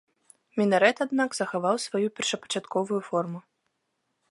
Мінарэт, аднак, захаваў сваю першапачатковую форму.